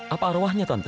apa arwahnya tante